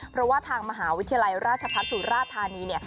เพราะว่าทางมหาวิทยาลัยราชพัฒน์สุราธานีเนี่ย